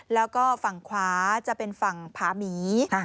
แล้วก็ฝั่งขวาจะเป็นฝั่งผาหมี